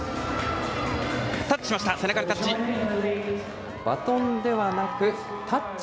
タッチしました、背中にタッチ。